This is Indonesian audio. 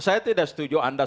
saya tidak setuju anda